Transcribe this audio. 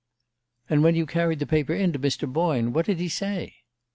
"And when you carried the paper in to Mr. Boyne, what did he say?"